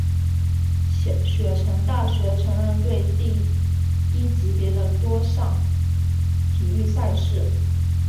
雪城大学橙人队第一级别的多项体育赛事。